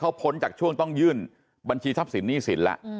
เขาพ้นจากช่วงต้องยื่นบัญชีทรัพย์สินหนี้สินแล้ว